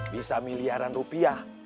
bisa miliaran rupiah